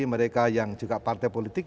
mereka yang juga partai politik